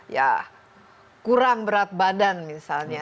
ya kurang berat badan misalnya